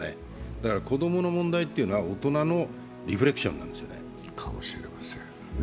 だから子供の問題というのは大人のリフレクションなんですよね。